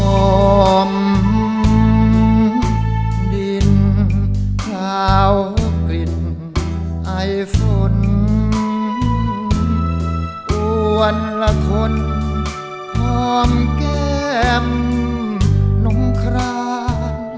หอมดินกล่าวกลิ่นไอฟนอ้วนละคนหอมแก้มหนุงคลา